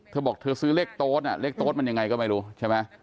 เธอบอกเธอซื้อเลขโต๊ดเลขโต๊ดมันยังไงก็ไม่รู้ใช่ไหม